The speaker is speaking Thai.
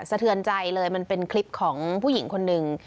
สะเทือนใจเลยมันเป็นคลิปของผู้หญิงคนหนึ่ง